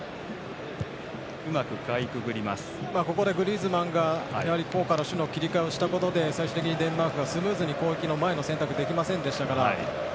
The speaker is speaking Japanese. ここでグリーズマンが攻から守への切り替えをしたことで最終的にデンマークがスムーズに攻撃の前の選択をできませんでしたから。